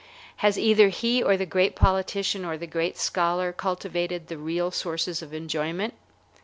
Has either he or the great politician or the great scholar cultivated the real sources of enjoyment?